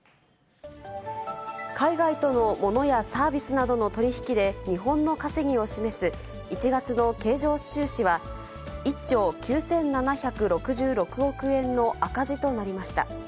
海外とのモノやサービスなどの取り引きで日本の稼ぎを示す、１月の経常収支は、１兆９７６６億円の赤字となりました。